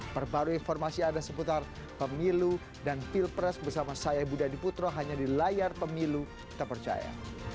perbarui informasi anda seputar pemilu dan pilpres bersama saya budha diputro hanya di layar pemilu terpercaya